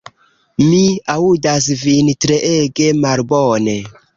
Mi aŭdas vin treege malbone.